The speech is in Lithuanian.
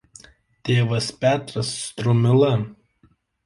Tėvas Petras Strumila.